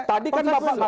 tadi kan bapak